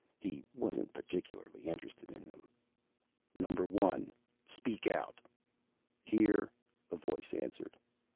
He wasn't particularly interested in them. "Number 1! Speak out!" "Here," a voice answered.